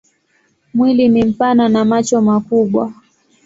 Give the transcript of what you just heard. Mwili ni mpana na macho makubwa.